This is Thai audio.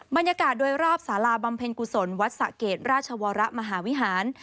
บรรยากาศโดยรอบสาราบำเพ็ญกุศลวัดสะเกดราชวรมหาวิหาร